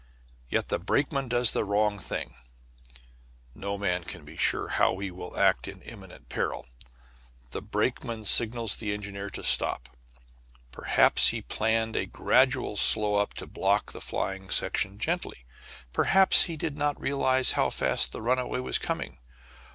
Yet the brakeman does the wrong thing (no man can be sure how he will act in imminent peril); the brakeman signals the engineer to stop. Perhaps he planned a gradual slow up to block the flying section gently; perhaps he did not realize how fast the runaway was coming.